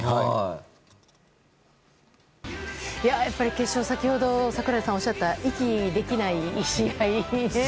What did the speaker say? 決勝、先ほど櫻井さんがおっしゃっていた息できない試合。